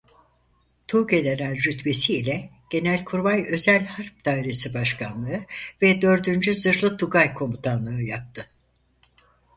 Tuğgeneral rütbesi ile Genelkurmay Özel Harp Dairesi Başkanlığı ve dördüncü Zırhlı Tugay Komutanlığı yaptı.